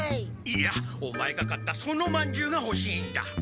いやオマエが買ったそのまんじゅうがほしいんだ。